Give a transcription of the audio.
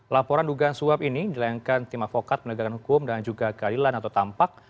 laporan dugaan suap ini dilayangkan tim avokat penegakan hukum dan juga keadilan atau tampak